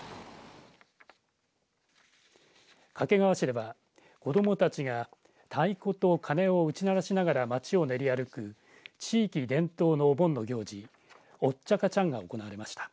掛川市では子どもたちが太鼓と鐘を打ち鳴らしながらまちを練り歩く地域伝統のお盆の行事、オッチャカチャンが行われました。